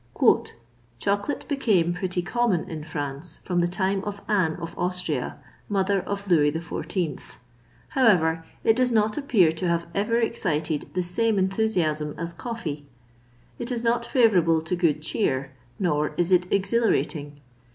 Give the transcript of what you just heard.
"Chocolate became pretty common in France from the time of Anne of Austria, mother of Louis XIV.; however, it does not appear to have ever excited the same enthusiasm as coffee; it is not favourable to good cheer, nor is it exhilarating.